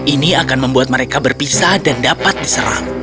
ini akan membuat mereka berpisah dan dapat diserang